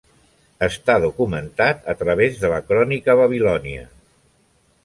Està documentat a través de la crònica babilònia.